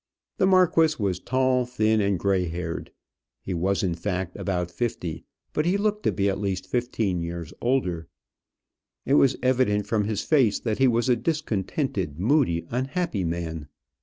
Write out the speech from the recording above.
The marquis was tall, thin, and gray haired. He was, in fact, about fifty; but he looked to be at least fifteen years older. It was evident from his face that he was a discontented, moody, unhappy man.